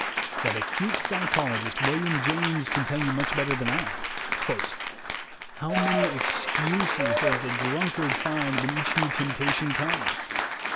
That acute psychologist, William James, can tell you much better than I : "How many excuses does the drunkard find when each new temptation comes!